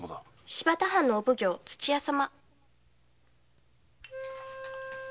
新発田藩の御奉行土屋様。